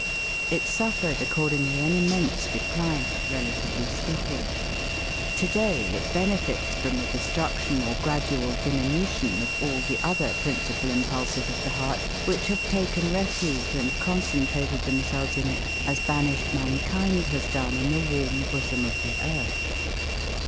It suffered accordingly an immense decline, relatively speaking. To day it benefits from the destruction or gradual diminution of all the other principal impulses of the heart which have taken refuge and concentrated themselves in it as banished mankind has done in the warm bosom of the earth.